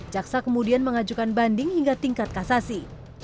jaksa kemudian mengajukan banding hingga tingkat kasasi